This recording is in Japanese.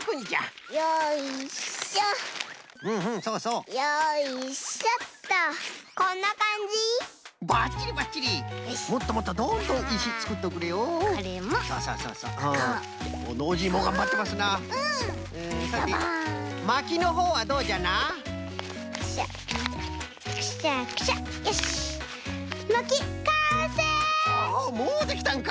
あもうできたんか。